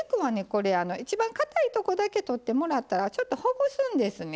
これ一番かたいとこだけ取ってもらったらちょっとほぐすんですね。